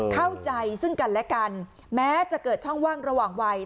เข้าใจซึ่งกันและกันแม้จะเกิดช่องว่างระหว่างวัย